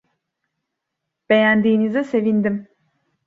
Beğendiğinize sevindim.